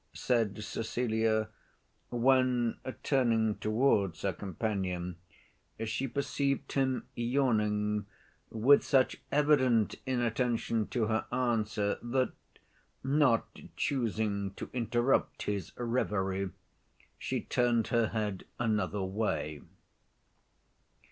said Cecilia, when, turning towards her companion, she perceived him yawning, with such evident inattention to her answer that, not choosing to interrupt his reverie, she turned her head another way.